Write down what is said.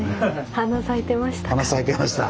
華咲いてました。